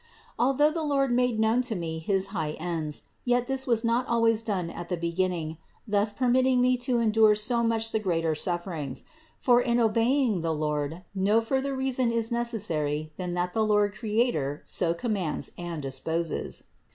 Although the Lord made known to Me his high ends, yet this was not always done at the beginning, thus permitting me to en dure so much the greater sufferings; for in obeying the Lord no further reason is necessary than that the Lord Creator so commands and disposes.